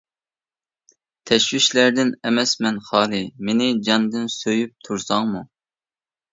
تەشۋىشلەردىن ئەمەسمەن خالى، مېنى جاندىن سۆيۈپ تۇرساڭمۇ.